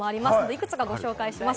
いくつかご紹介します。